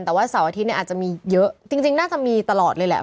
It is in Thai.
แต่ว่าเสาร์อาทิตย์เนี่ยอาจจะมีเยอะจริงน่าจะมีตลอดเลยแหละ